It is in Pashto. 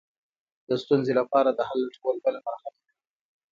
د ستونزې لپاره د حل لټول بله مرحله ده.